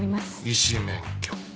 医師免許？